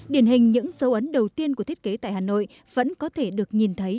điển hình những dấu ấn đầu tiên của thiết kế tại hà nội vẫn có thể được nhìn thấy